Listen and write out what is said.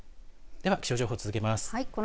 では気象情報続けます。